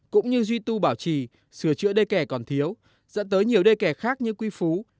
cũng như duy tu bảo trì sửa chữa đê kẻ còn thiếu dẫn tới nhiều đê kè khác như quy phú